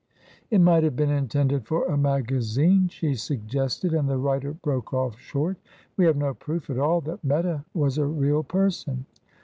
"It might have been intended for a magazine," she suggested, "and the writer broke off short. We have no proof at all that Meta was a real person."